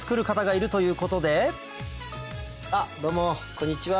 こんにちは。